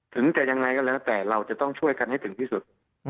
ถึงจะยังไงก็แล้วแต่เราจะต้องช่วยกันให้ถึงที่สุด